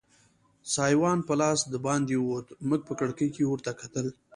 سایوان په لاس دباندې ووت، موږ په کړکۍ کې ورته کتل.